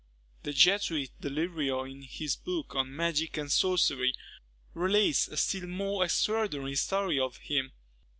The Jesuit Delrio, in his book on magic and sorcery, relates a still more extraordinary story of him.